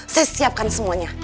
saya siapkan semuanya